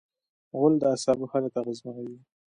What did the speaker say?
غول د اعصابو حالت اغېزمنوي.